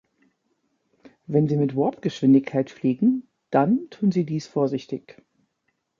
Wenn Sie mit Warpgeschwindigkeit fliegen, dann tun Sie dies vorsichtig!